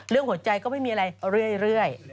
เรื่องหัวใจก็ไม่มีอะไรเรื่อย